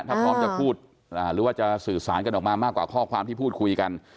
ถ้าพร้อมจะพูดหรือว่าจะสื่อสารกันออกมามากกว่าข้อความที่พูดคุยกัน